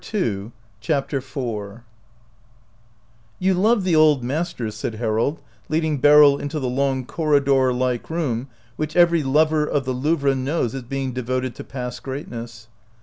7i CHAPTER IV "A^OU love the old masters," said Har ^ old, leading Beryl into the long cor ridor like room which every lover of the Louvre knows as being devoted to past greatness.